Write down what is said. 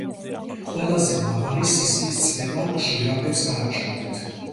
ყველაზე მაღალი სისხლის წნევა ჟირაფებს გააჩნიათ